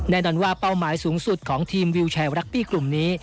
แน่นอนว่าเป้าหมายสูงสุดของทีมวิวแชร์รักปี้กลุ่มนี้